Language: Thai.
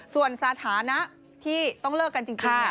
ส่วนสถานะที่ต้องเลิกกันจริง